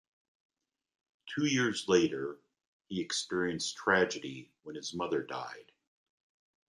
Two years later, he experienced tragedy when his mother died.